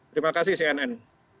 terima kasih cnn